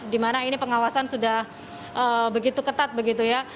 di mana ini pengawasan sudah begitu kecil